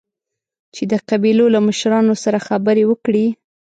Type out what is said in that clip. چې د قبيلو له مشرانو سره خبرې وکړي.